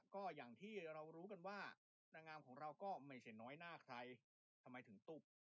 ก็อย่างที่เรารู้กันว่านางงามของเราก็ไม่ใช่น้อยหน้าใครทำไมถึงตู้ปัน